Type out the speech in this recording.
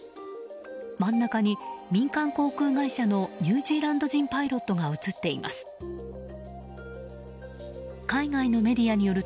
真ん中に民間航空会社のニュージーランド人パイロットが映っています。